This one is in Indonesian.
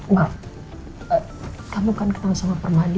maaf kamu kan kenal sama permadi